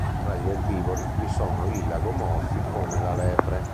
Tra gli erbivori, vi sono i lagomorfi come la lepre.